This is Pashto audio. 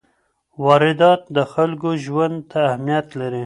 واردات د خلکو ژوند ته اهمیت لري.